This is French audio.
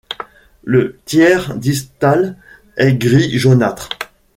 Le tiers distal est gris jaunâtre.